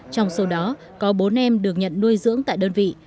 trong số đó có bốn em được nhận nuôi dưỡng tại đơn vị